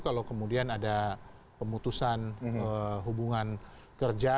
kalau kemudian ada pemutusan hubungan kerja